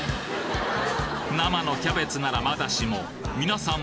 生のキャベツならまだしもみなさん